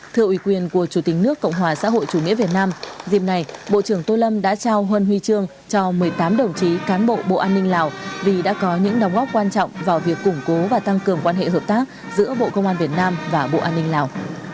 thưa ủy quyền của chủ tịch nước cộng hòa xã hội chủ nghĩa việt nam dịp này bộ trưởng tô lâm đã trao huân huy trương cho một mươi tám đồng chí cán bộ bộ an ninh lào vì đã có những đóng góp quan trọng vào việc củng cố và tăng cường quan hệ hợp tác giữa bộ công an việt nam và bộ an ninh lào